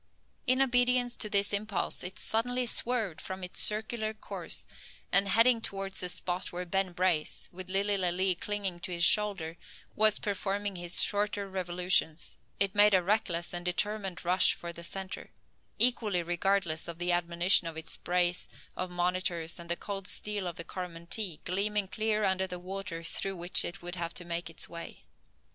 In obedience to this impulse, it suddenly swerved from its circular course, and, heading towards the spot where Ben Brace, with Lilly Lalee clinging to his shoulder, was performing his shorter revolutions, it made a reckless and determined rush for the centre, equally regardless of the admonition of its brace of monitors and the cold steel of the Coromantee, gleaming clear under the water through which it would have to make its way.